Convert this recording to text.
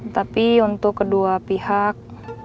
tapi untuk kedua pihak